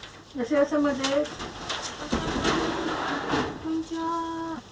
こんにちは。